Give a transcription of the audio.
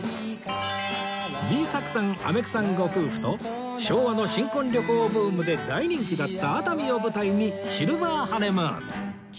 Ｂ 作さんあめくさんご夫婦と昭和の新婚旅行ブームで大人気だった熱海を舞台にシルバーハネムーン